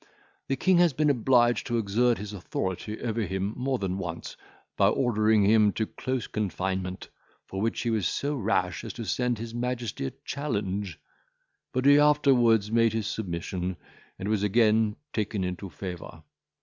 The king has been obliged to exert his authority over him more than once, by ordering him into close confinement, for which he was so rash as to send his majesty a challenge; but he afterwards made his submission, and was again taken into favour.